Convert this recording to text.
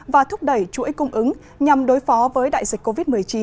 và thúc đẩy chuỗi cung ứng nhằm đối phó với đại dịch covid một mươi chín